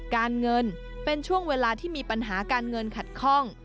การเงินเป็นช่วงเวลาที่มีปัญหาการเงินขัดข้อง